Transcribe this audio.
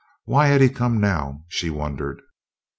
Why had he come now, she wondered.